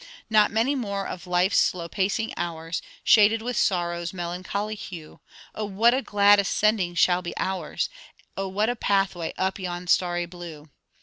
'Not many more of life's slow pacing hours, Shaded with sorrow's melancholy hue; Oh what a glad ascending shall be ours, Oh what a pathway up yon starry blue!